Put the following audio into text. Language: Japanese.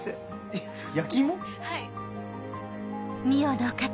はい。